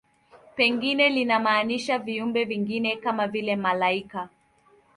Pengine linamaanisha viumbe vingine, kama vile malaika.